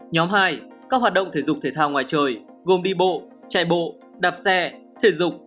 nhóm hai các hoạt động thể dục thể thao ngoài trời gồm đi bộ chạy bộ đạp xe thể dục